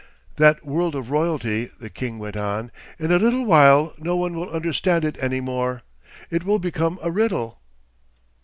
'That world of royalty!' the king went on. 'In a little while no one will understand it any more. It will become a riddle....